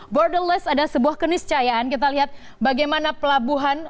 borderless ada sebuah keniscayaan kita lihat bagaimana pelabuhan